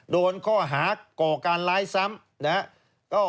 โดนข้อหาก่อการร้ายซ้ำ